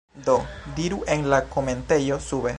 Do, diru en la komentejo sube